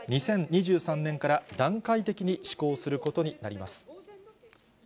２０２３年から段階的に施行することになります。